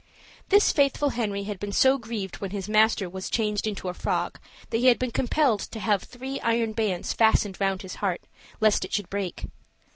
This faithful Henry had been so grieved when his master was changed into a frog that he had been compelled to have three iron bands fastened round his heart, lest it should break.